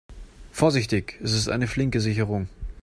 Vorsichtig, es ist eine flinke Sicherung.